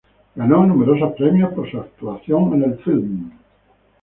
Ganó numerosos premios por su actuación en el filme.